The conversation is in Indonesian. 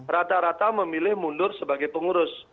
rata rata memilih mundur sebagai pengurus